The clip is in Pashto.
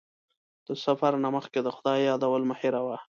د سفر نه مخکې د خدای یادول مه هېروه.